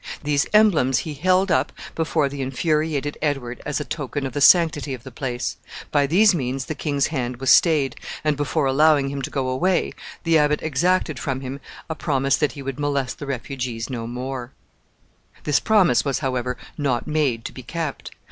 These emblems he held up before the infuriated Edward as a token of the sanctity of the place. By these means the king's hand was stayed, and, before allowing him to go away, the abbot exacted from him a promise that he would molest the refugees no more. [Illustration: QUEEN MARGARET BROUGHT IN PRISONER AT COVENTRY.] This promise was, however, not made to be kept.